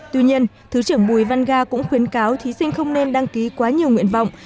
tuy nhiên thứ trưởng bùi văn ga cũng khuyến cáo thí sinh không nên đăng ký quá nhiều nguyện vọng